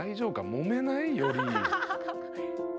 もめない？より。